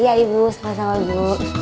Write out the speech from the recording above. iya ibu sama sama ibu